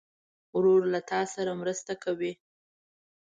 ورور له تا سره مرسته کوي.